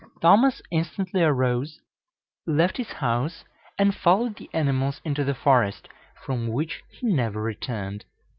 Thomas instantly arose, left his house, and followed the animals into the forest, from which he never returned.